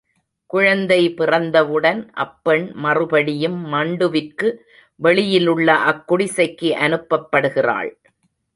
குழந்தை பிறந்தவுடன் அப்பெண் மறுபடியும் மண்டுவிற்கு வெளியிலுள்ள அக்குடிசைக்கு அனுப்பப்படுகிறாள்.